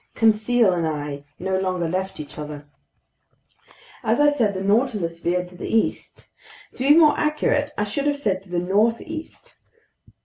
Conseil and I no longer left each other. As I said, the Nautilus veered to the east. To be more accurate, I should have said to the northeast.